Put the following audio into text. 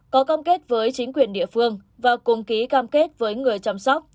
có cam kết với chính quyền địa phương và cùng ký cam kết với người chăm sóc